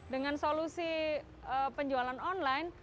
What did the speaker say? dengan solusi penjualan online